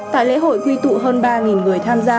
tại lễ hội quy tụ hơn ba người tham gia